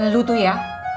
lo tuh ya